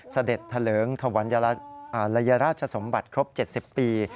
เสด็จทะเลิ้งธวรรณลัยราชสมบัติครบ๗๐ปี